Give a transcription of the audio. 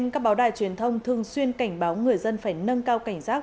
các báo đài truyền thông thường xuyên cảnh báo người dân phải nâng cao cảnh giác